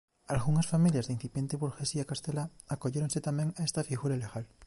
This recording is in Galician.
Algunhas familias da incipiente burguesía castelá acolléronse tamén a esta figura legal.